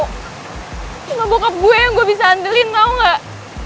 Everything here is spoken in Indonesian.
cuma bokap gue yang gue bisa andelin tau gak